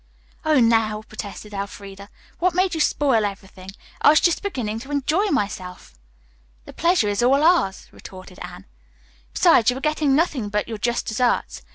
"Oh, now," protested Elfreda, "what made you spoil everything? I was just beginning to enjoy myself." "The pleasure is all ours," retorted Anne. "Besides, you are getting nothing but your just deserts.